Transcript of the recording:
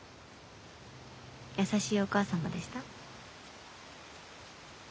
優しいお義母様でした？